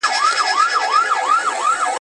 زړه مو له کینې پاک کړئ.